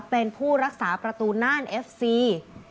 เป็นผู้รักษาประตูน่านเอฟซี